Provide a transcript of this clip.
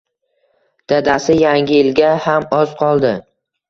Dadasi, Yangi yilga ham oz qoldi